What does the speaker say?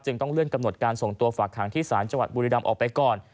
ต้องเลื่อนกำหนดการส่งตัวฝากหางที่ศาลจังหวัดบุรีรำออกไปก่อน